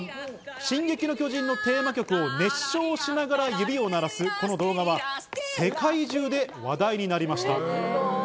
『進撃の巨人』のテーマ曲を熱唱しながら指を鳴らすこの動画は世界中で話題になりました。